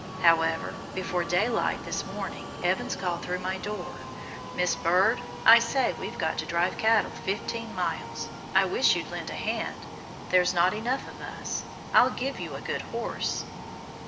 However, before daylight this morning Evans called through my door, "Miss Bird, I say we've got to drive cattle fifteen miles, I wish you'd lend a hand; there's not enough of us; I'll give you a good horse."